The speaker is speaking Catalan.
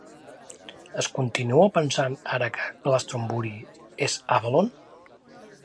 Es continua pensant ara que Glastonbury és Avalon?